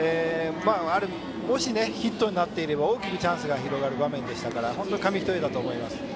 もし、ヒットになっていれば大きくチャンスが広がる場面だったので本当に紙一重だったと思います。